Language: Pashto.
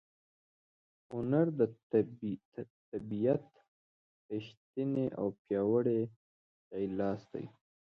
هنر د طبیعت ریښتینی او پیاوړی ښی لاس دی.